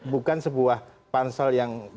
bukan sebuah pansel yang